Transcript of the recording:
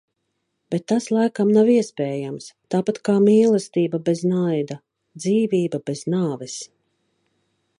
Bet tas laikam nav iespējams. Tāpat kā mīlestība bez naida. Dzīvība bez nāves.